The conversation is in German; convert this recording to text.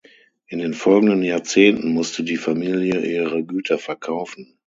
In den folgenden Jahrzehnten musste die Familie ihre Güter verkaufen.